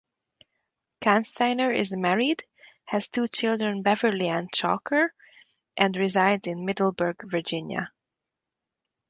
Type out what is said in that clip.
Kansteiner is married; has two children, Beverly and Chalker; and resides in Middleburg, Virginia.